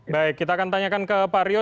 baik kita akan tanyakan ke pak rio